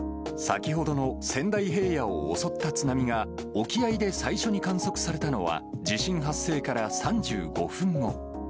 先ほどの仙台平野を襲った津波が沖合で最初に観測されたのは、地震発生から３５分後。